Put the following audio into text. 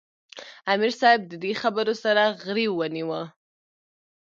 " امیر صېب د دې خبرو سره غرېو ونیوۀ ـ